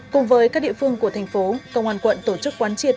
cùng với các địa phương của thành phố công an quận tổ chức quán triệt